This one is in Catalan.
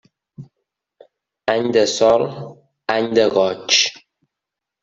Any de sol, any de goig.